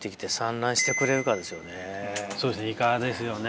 そうですねイカですよね。